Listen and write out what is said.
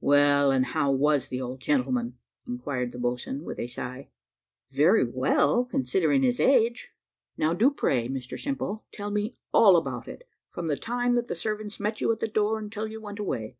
"Well, and how was the old gentleman?" inquired the boatswain with a sigh. "Very well, considering his age." "Now do, pray, Mr Simple, tell me all about it; from the time that the servants met you at the door until you went away.